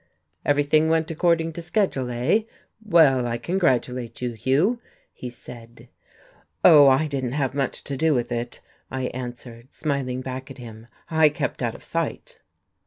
"Everything went through according to schedule, eh? Well, I congratulate you, Hugh," he said. "Oh, I didn't have much to do with it," I answered, smiling back at him. "I kept out of sight."